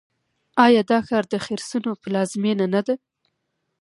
آیا دا ښار د خرسونو پلازمینه نه ده؟